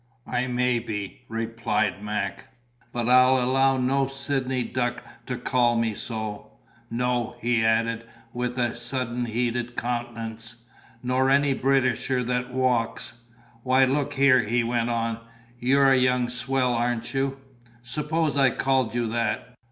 "I may be," replied Mac, "but I'll allow no Sydney duck to call me so. No," he added, with a sudden heated countenance, "nor any Britisher that walks! Why, look here," he went on, "you're a young swell, aren't you? Suppose I called you that!